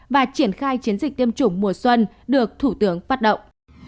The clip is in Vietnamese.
và triển khai chiến dịch tiêm chủng mùa xuân được thủ tướng phát động